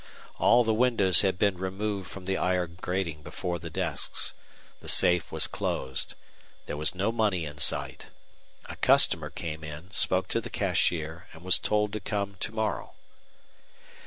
All the windows had been removed from the iron grating before the desks. The safe was closed. There was no money in sight. A customer came in, spoke to the cashier, and was told to come to morrow.